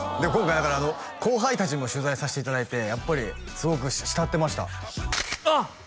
今回だからあの後輩達も取材さしていただいてやっぱりすごく慕ってましたあっ